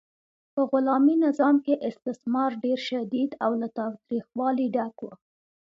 په غلامي نظام کې استثمار ډیر شدید او له تاوتریخوالي ډک و.